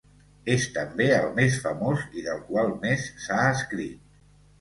És també el més famós i del qual més s'ha escrit.